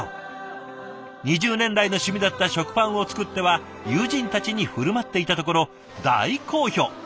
２０年来の趣味だった食パンを作っては友人たちに振る舞っていたところ大好評。